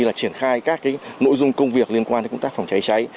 là triển khai các nội dung công việc liên quan đến công tác phòng cháy cháy